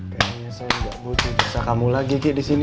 kayaknya saya gak butuh cinta kamu lagi disini